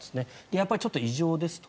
やっぱりちょっと異常ですと。